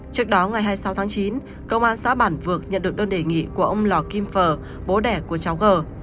trước đó ngày hai mươi sáu tháng chín công an xã bản vược nhận được đơn đề nghị của ông lò kim phở bố đẻ của cháu gờ